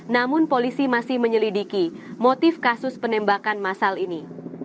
namun polisi masih menyelidiki motif kasus penembakan masal ini